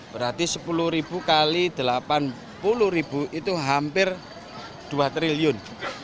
berarti sepuluh ribu x delapan puluh ribu itu hampir dua triliun